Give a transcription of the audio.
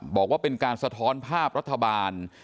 บอกว่าเป็นการสะท้อนภาพรัฐบาล